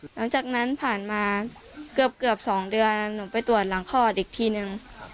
หลังจากนั้นผ่านมาเกือบ๒เดือนหนูไปตรวจหลังคลอดอีกทีนึง